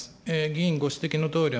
議員ご指摘のとおり、